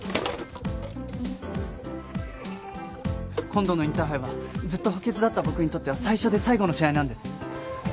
今度のインターハイはずっと補欠だった僕にとっては最初で最後の試合なんです。